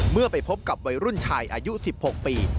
เมื่อไปพบกับวัยรุ่นชายอายุ๑๖ปี